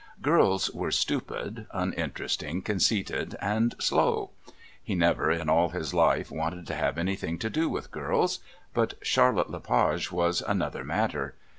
Girls were stupid, uninteresting, conceited and slow. He never, in all his life, wanted to have anything to do with girls. But Charlotte Le Page was another matter.